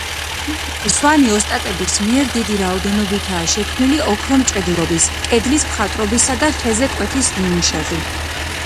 სვანი ოსტატების მიერ დიდი რაოდენობითაა შექმნილი ოქრომჭედლობის, კედლის მხატვრობისა და ხეზე კვეთის ნიმუშები.